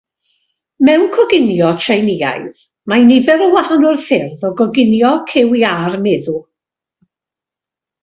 Mewn coginio Tsieineaidd mae nifer o wahanol ffyrdd o goginio cyw iâr meddw.